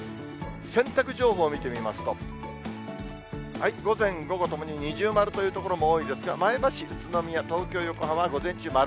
洗濯情報見てみますと、午前、午後ともに二重丸という所も多いですが、前橋、宇都宮、東京、横浜は午前中、丸。